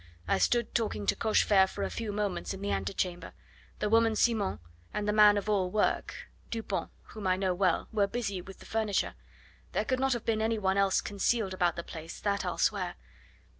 I stood talking to Cochefer for a few moments in the antechamber. The woman Simon and the man of all work, Dupont whom I know well were busy with the furniture. There could not have been any one else concealed about the place that I'll swear.